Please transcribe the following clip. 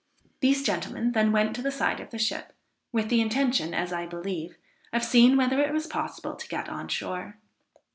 These gentlemen then went to the side of the ship, with the intention, as I believe, of seeing whether it was possible to get on shore.